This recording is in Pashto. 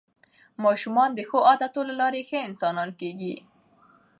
ماشومان د ښو عادتونو له لارې ښه انسانان کېږي